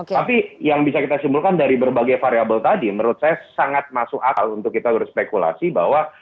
tapi yang bisa kita simpulkan dari berbagai variable tadi menurut saya sangat masuk akal untuk kita berspekulasi bahwa